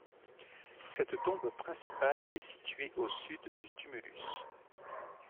Cette tombe principale est située au sud du tumulus.